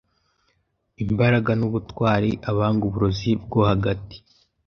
Imbaraga nubutwari Abanga uburozi bwo hagati